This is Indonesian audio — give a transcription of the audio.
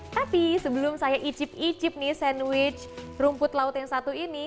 tapi sebelum saya icip icip nih sandwich rumput laut yang satu ini